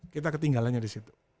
kita ketinggalannya disitu